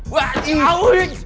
tapi dia baik